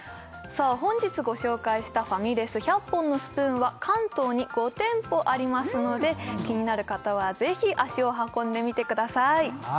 本日ご紹介したファミレス１００本のスプーンは関東に５店舗ありますので気になる方はぜひ足を運んでみてください